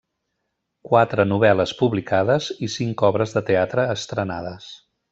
Quatre novel·les publicades i cinc obres de teatre estrenades.